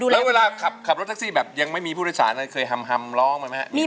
เวลาขับรถเท็กซี่แบบไม่มีผู้โดยศาลเคยเลยฮำร้องไหม